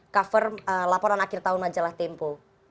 cover laporan akhir tahun majalah tempo